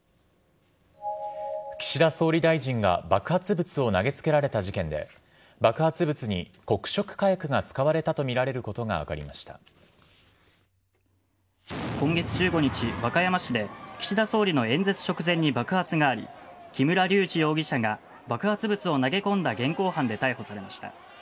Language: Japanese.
岸田総理大臣が爆発物を投げつけられた事件で爆発物に黒色火薬が使われていたとみられることが今月１５日、和歌山市で岸田総理の演説直前に爆発があり木村隆二容疑者が爆発物を投げ込んだ現行犯で逮捕されました。